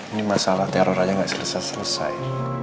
ini masalah teror aja nggak selesai selesai